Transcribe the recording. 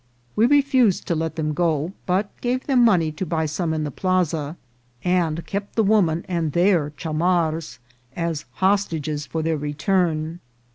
We refused to let them go, but gave them money to buy some in the plaza, and kept the woman and their chamars as hostages for their return.